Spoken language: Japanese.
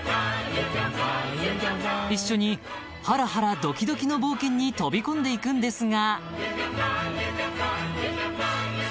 ［一緒にハラハラドキドキの冒険に飛び込んでいくんですが］